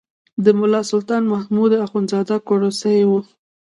د ملا سلطان محمد اخندزاده کړوسی و.